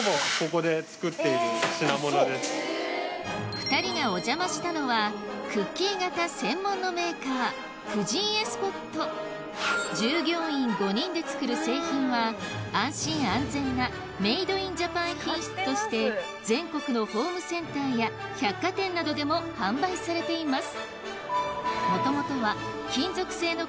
２人がお邪魔したのは従業員５人でつくる製品は安心安全なＭＡＤＥＩＮＪＡＰＡＮ品質として全国のホームセンターや百貨店などでも販売されています